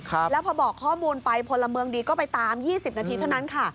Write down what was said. แล้วพอบอกข้อมูลไปพลเมืองดีก็ไปตาม๒๐นาทีเท่านั้นค่ะ